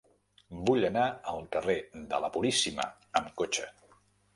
Vull anar al carrer de la Puríssima amb cotxe.